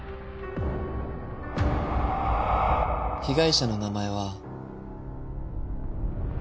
被害者の名前は。